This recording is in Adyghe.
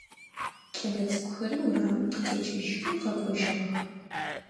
Кӏэлэцӏыкӏухэри урамым къытекӏыжьхи къэкӏожьыгъэх.